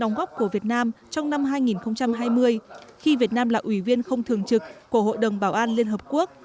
đóng góp của việt nam trong năm hai nghìn hai mươi khi việt nam là ủy viên không thường trực của hội đồng bảo an liên hợp quốc